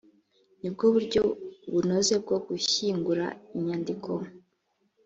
ni bwo buryo bunoze bwo gushyingura inyandiko